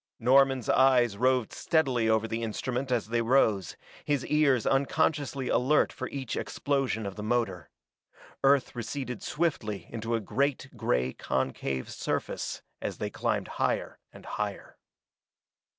Norman's eyes roved steadily over the instrument as they rose, his ears unconsciously alert for each explosion of the motor. Earth receded swiftly into a great gray concave surface as they climbed higher and higher.